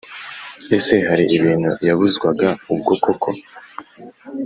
ese hari ibintu yabuzwaga ubwo koko ?